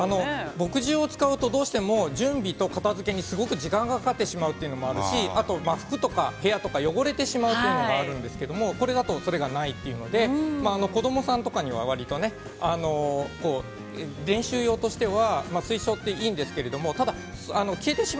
◆墨汁を使うとどうしても準備と片づけに、すごく時間がかかってしまうというのもあるし、あと、服とか部屋とか汚れてしまうというのがあるんですけど、これだとそれがないので、子供さんとかには、割とね、練習用としては、水書っていいんですけど。